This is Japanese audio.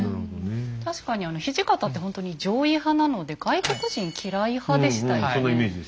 確かに土方ってほんとに攘夷派なので外国人嫌い派でしたよね。